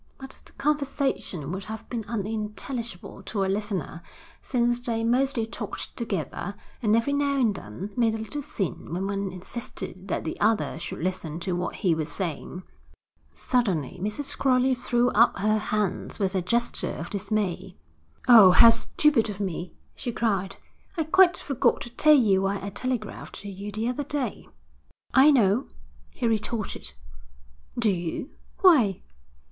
But the conversation would have been unintelligible to a listener, since they mostly talked together, and every now and then made a little scene when one insisted that the other should listen to what he was saying. Suddenly Mrs. Crowley threw up her hands with a gesture of dismay. 'Oh, how stupid of me!' she cried. 'I quite forgot to tell you why I telegraphed to you the other day.' 'I know,' he retorted. 'Do you? Why?'